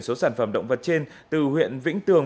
số sản phẩm động vật trên từ huyện vĩnh tường